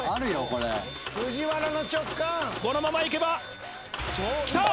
これ藤原の直感このままいけばきた！